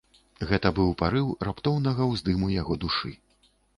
Гэта быў парыў раптоўнага ўздыму яго душы.